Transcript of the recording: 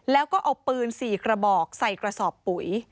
แล้วก็เอาปืน๔กระบอกใส่กระสอบปุ๋ย